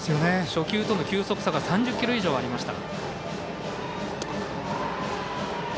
初球との球速差が３０キロ以上ありました。